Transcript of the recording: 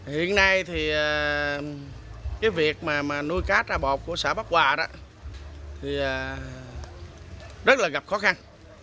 hiện nay thì cái việc mà nuôi cá trà bọt của xã bắc hòa đó thì rất là gặp khó khăn